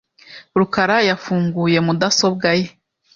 rukara yafunguye mudasobwa ye .